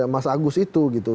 mas agus itu gitu